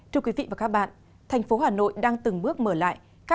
thưa quý vị và các bạn thành phố hà nội đang từng bước mở lại